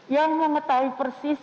yang mengetahui persis